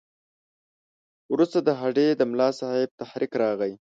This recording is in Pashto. وروسته د هډې د ملاصاحب تحریک راغی.